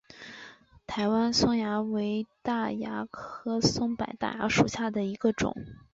台湾松蚜为大蚜科松柏大蚜属下的一个种。